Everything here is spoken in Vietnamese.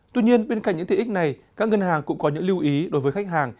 tuy nhiên bên cạnh những tiện ích này các ngân hàng cũng có những lưu ý đối với khách hàng